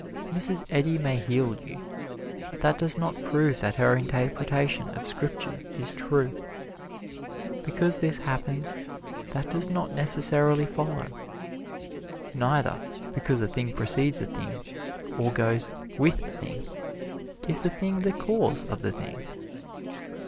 Mrs. Eddy may heal you, but that does not prove that her interpretation of Scripture is true. Because this happens, that does not necessarily follow. Neither, because a thing precedes a thing or goes with a thing, is the thing the cause of the thing.